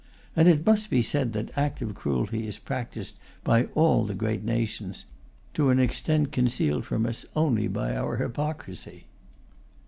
And it must be said that active cruelty is practised by all the great nations, to an extent concealed from us only by our hypocrisy.